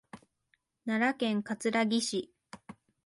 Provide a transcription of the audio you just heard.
奈良県葛城市